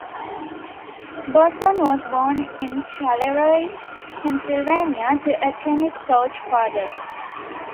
Bosson was born in Charleroi, Pennsylvania to a tennis coach father.